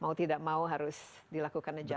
mau tidak mau harus dilakukan adjust